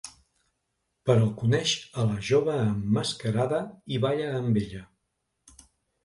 Però coneix a la jove emmascarada i balla amb ella.